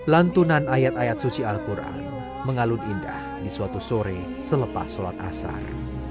lantunan ayat ayat suci al quran mengalun indah di suatu sore selepas sholat asar